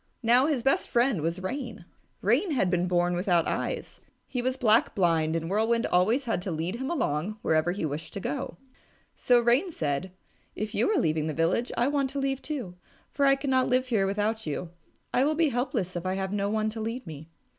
Now his best friend was Rain. Rain had been born without eyes. He was black blind, and Whirlwind always had to lead him along wherever he wished to go. So Rain said, "If you are leaving the village, I want to leave it too, for I cannot live here without you. I will be helpless if I have no one to lead me."